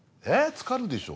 つかるでしょ。